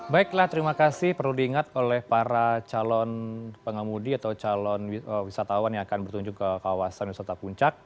baiklah terima kasih perlu diingat oleh para calon pengemudi atau calon wisatawan yang akan bertunjuk ke kawasan wisata puncak